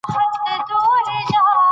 جبار له خپل ځايه جګ شو.